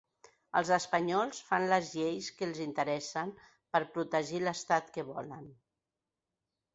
Els espanyols fan les lleis que els interessen per protegir l’estat que volen.